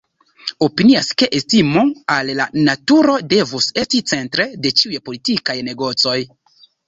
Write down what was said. Opinias, ke estimo al la naturo devus esti centre de ĉiuj politikaj negocoj.